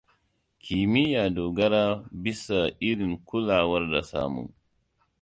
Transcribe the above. Kimiyya dogara bisa irin kulawar da samu.